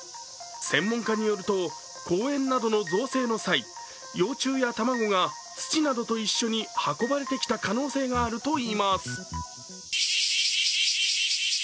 専門家によると公園などの造成の際、幼虫や卵が土などと一緒に運ばれてきた可能性があるといいます。